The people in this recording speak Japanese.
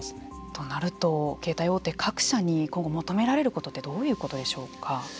となると携帯大手各社に今後求められることってどういうことでしょうか。